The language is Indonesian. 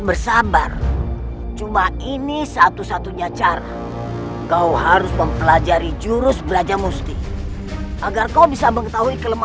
terlebih dahulu menguasai jurus brajamusti itu sendiri